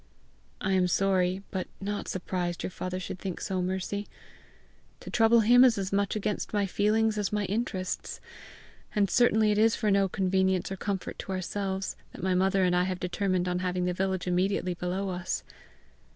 "I am sorry but not surprised your father should think so, Mercy. To trouble him is as much against my feelings as my interests. And certainly it is for no convenience or comfort to ourselves, that my mother and I have determined on having the village immediately below us."